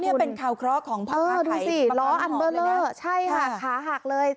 นี่เป็นเคาร์กของพ่อค้าขายประกอบน้ำห่อดูสิล้ออัลเบอร์เลอร์ใช่ค่ะขาหักเลย